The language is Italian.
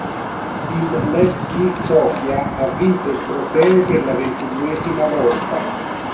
Il Levski Sofia ha vinto il trofeo per la ventiduesima volta.